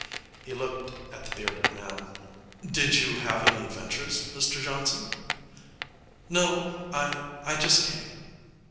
He looked at the bearded man. 'Did you have any adventures, Mr Johnson?' 'No. I I just came.'